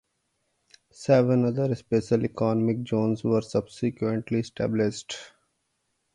Seven other special economic zones were subsequently established.